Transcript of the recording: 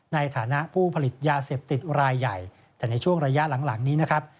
ในฐานะผู้ผลิตยาเสพติดรายใหญ่แต่ในช่วงระยะหลังนี้นะครับ